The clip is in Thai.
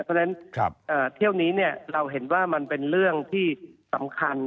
เพราะฉะนั้นเที่ยวนี้เราเห็นว่ามันเป็นเรื่องที่สำคัญ